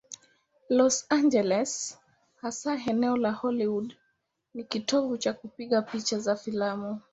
Los Angeles, hasa eneo la Hollywood, ni kitovu cha kupiga picha za filamu.